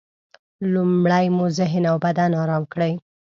لومړی مو ذهن او بدن ارام کړئ.